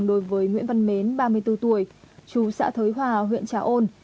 đối với nguyễn văn mến ba mươi bốn tuổi chú xã thới hòa huyện trà ôn